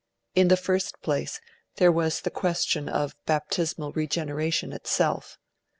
In the first place, there was the question of Baptismal Regeneration itself.